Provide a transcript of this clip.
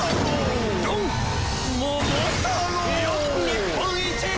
日本一！」